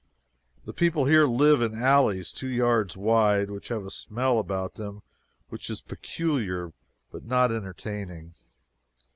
The people here live in alleys two yards wide, which have a smell about them which is peculiar but not entertaining.